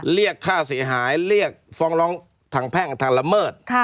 เรียกค่าเสียหายเรียกฟ้องร้องทางแพ่งทางละเมิด